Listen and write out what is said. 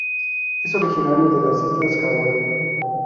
Es originario de las islas Hawaii.